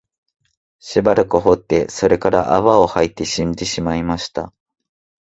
しばらく吠って、それから泡を吐いて死んでしまいました